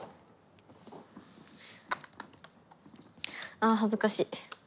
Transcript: ああ恥ずかしい。